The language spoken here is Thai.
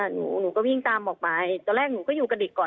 หนูหนูก็วิ่งตามออกไปตอนแรกหนูก็อยู่กระดิกก่อน